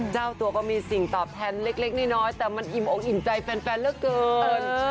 เจ้าตัวก็มีสิ่งตอบแทนเล็กน้อยแต่มันอิ่มอกอิ่มใจแฟนเหลือเกิน